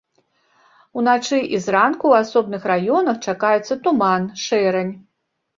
Уначы і зранку ў асобных раёнах чакаецца туман, шэрань.